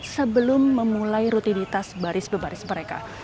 sebelum memulai rutinitas baris baris mereka